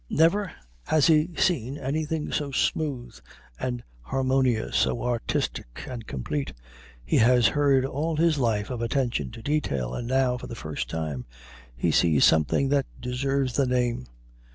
Never has he seen anything so smooth and harmonious, so artistic and complete. He has heard all his life of attention to detail, and now, for the first time, he sees something that deserves the name.